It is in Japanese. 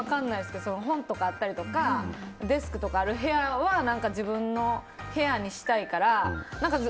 本とかあったりとかデスクとかある部屋は自分の部屋にしたいから。